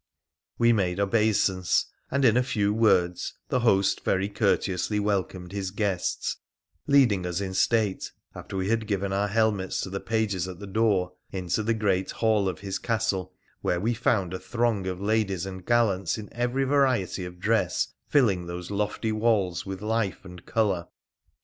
We made obeisance, and in a few words the host very cour teously welcomed his guests, leading us in state (after we had given our helmets to the pages at the door) into the great hall of his castle, where we found a throng of ladies and gallants in every variety of dress filling those lofty walls with life and colour.